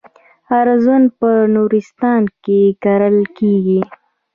ارزن په نورستان کې کرل کیږي.